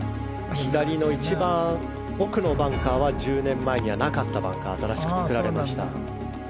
左の一番奥のバンカーは１０年前にはなかったバンカー新しく作られました。